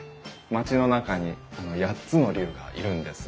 町の中に８つの竜がいるんです。